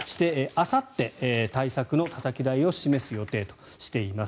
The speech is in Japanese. あさって、対策のたたき台を示す予定としています。